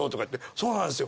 「そうなんですよ」